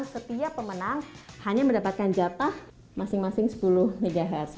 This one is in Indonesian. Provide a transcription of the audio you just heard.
setiap pemenang hanya mendapatkan jatah masing masing sepuluh mhz